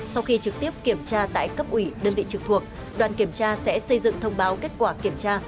sau khi trực tiếp kiểm tra tại cấp ủy đơn vị trực thuộc đoàn kiểm tra sẽ xây dựng thông báo kết quả kiểm tra